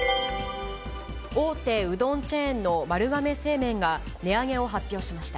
大手うどんチェーンの丸亀製麺が値上げを発表しました。